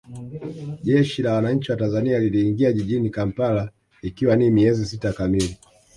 Jeshi la Wananchi wa Tanzania liliingia jijini Kampala ikiwa ni miezi sita kamili